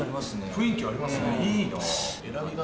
雰囲気ありますねいいな。